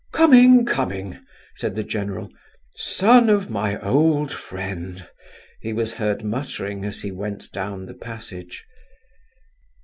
"Coming, coming," said the general. "Son of my old friend—" he was heard muttering as he went down the passage.